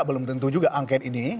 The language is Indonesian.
belum tentu juga angket ini